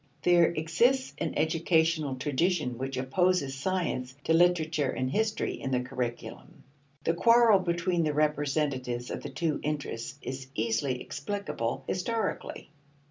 There exists an educational tradition which opposes science to literature and history in the curriculum. The quarrel between the representatives of the two interests is easily explicable historically.